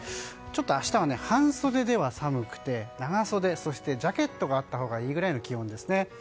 明日は半袖では寒くて長袖、そしてジャケットがあったほうがいいくらいの気温ですね。